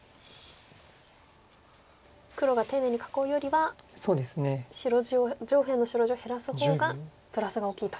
黒が丁寧に囲うよりは上辺の白地を減らす方がプラスが大きいと。